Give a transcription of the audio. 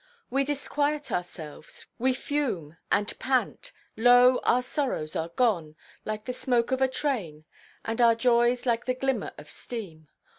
We disquiet ourselves, we fume, and pant—lo, our sorrows are gone, like the smoke of a train, and our joys like the glimmer of steam.